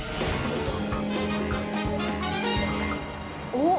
おっ！